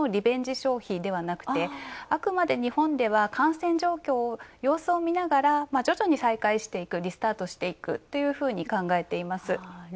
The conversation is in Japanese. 消費ではなくあくまで日本では感染状況、様子を見ながら徐々にリスタートしていくと考えています。